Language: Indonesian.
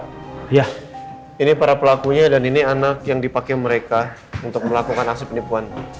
iya ini para pelakunya dan ini anak yang dipakai mereka untuk melakukan aksi penipuan